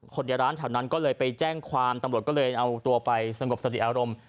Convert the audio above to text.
ในร้านแถวนั้นก็เลยไปแจ้งความตำรวจก็เลยเอาตัวไปสงบสติอารมณ์